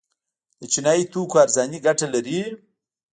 د چینایي توکو ارزاني ګټه لري؟